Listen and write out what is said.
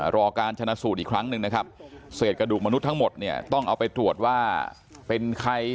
รอการชนะสูตรอีกครั้งหนึ่งนะครับเศษกระดูกมนุษย์ทั้งหมดเนี่ยต้องเอาไปตรวจว่าเป็นใคร